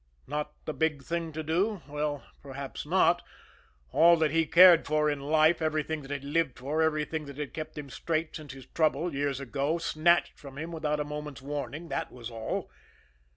Not the big thing to do? Well, perhaps not all that he cared for in life, everything that he lived for, everything that had kept him straight since his trouble years ago, snatched from him without a moment's warning that was all.